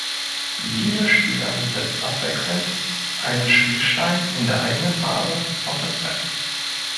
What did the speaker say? Jeder Spieler setzt abwechselnd einen Spielstein in der eigenen Farbe auf das Brett.